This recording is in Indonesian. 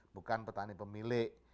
bukan petani pemilik